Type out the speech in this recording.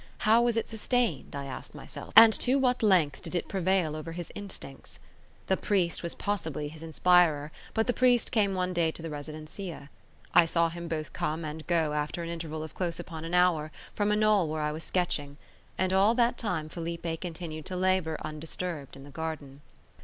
How was it sustained? I asked myself, and to what length did it prevail over his instincts? The priest was possibly his inspirer; but the priest came one day to the residencia. I saw him both come and go after an interval of close upon an hour, from a knoll where I was sketching, and all that time Felipe continued to labour undisturbed in the garden.